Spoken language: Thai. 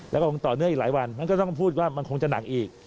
แล้วก็คงต่อเนื่องอีกหลายวันมันก็ต้องพูดว่ามันคงจะหนักอีก